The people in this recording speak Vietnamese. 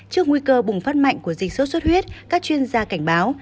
trước nguy cơ bùng phát mạnh của dịch sốt xuất huyết các chuyên gia cảnh báo